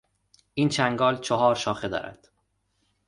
این چنگال چهار شاخه دارد.